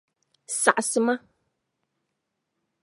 Saɣisima.